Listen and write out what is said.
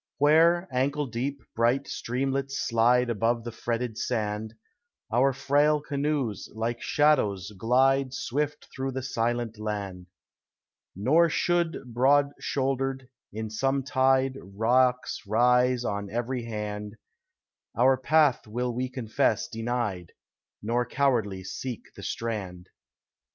Where, ankle deep, bright streamlets slide Above the fretted sand, Our frail canoes, like shadows, glide Swift through the silent land; Nor should, broad shouldered, in some tide Rocks rise on every hand, Our path will we confess denied, Nor cowardly seek the strand.